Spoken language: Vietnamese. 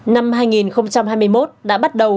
năm hai nghìn hai mươi một đã bắt đầu